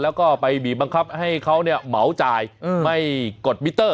แล้วก็ไปบีบบังคับให้เขาเหมาจ่ายไม่กดมิเตอร์